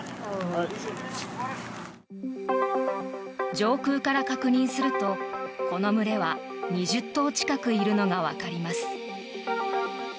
上空から確認するとこの群れは２０頭近くいるのがわかります。